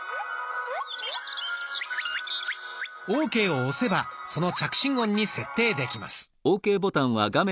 「ＯＫ」を押せばその着信音に設定できます。